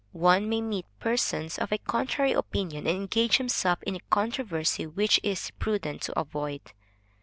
One may meet persons of a contrary opinion, and engage himself in a controversy which it is prudent to avoid.